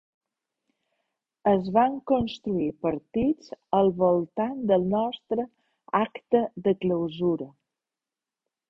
Es van construir partits al voltant del nostre acte de clausura.